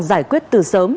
giải quyết từ sớm